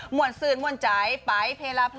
หม่วนสื่นหม่วนใจไปเพลลาเพลิน